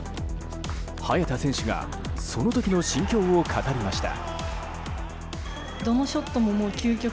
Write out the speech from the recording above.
早田選手がその時の心境を語りました。